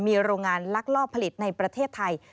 มีโรงงานลักลอบผลิตในประเทศไทย